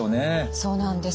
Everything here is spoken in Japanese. そうなんです。